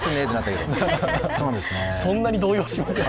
そんなに動揺しますか。